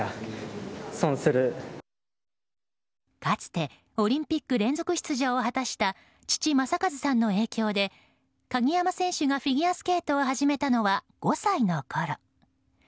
かつてオリンピック連続出場を果たした父・正和さんの影響で鍵山選手がフィギュアスケートを始めたのは５歳のころ。